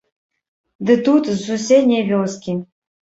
Ды тут, з суседняй вёскі.